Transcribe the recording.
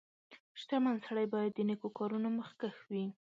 • شتمن سړی باید د نیکو کارونو مخکښ وي.